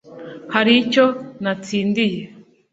hari icyo natsindiye